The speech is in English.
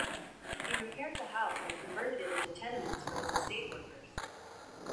He repaired the house and converted it into tenements for his estate workers.